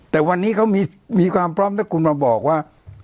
แต่วันนี้เขามีความพร้อมถ้าคุณมาบอกว่า